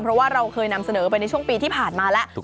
เพราะว่าเราเคยนำเสนอไปในช่วงปีที่ผ่านมาแล้ว